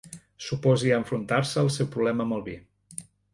S'oposi a enfrontar-se al seu problema amb el vi.